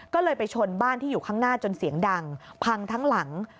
ก็เลยไปชนบ้านที่อยู่ข้างหน้าจนเสียงดังพังทั้งหลัง